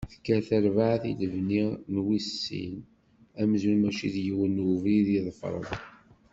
Tekker terbaɛt i lebni n wis sin, amzun mačči d yiwen n ubrid i ḍefren.